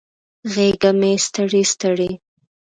غیږه مې ستړي، ستړي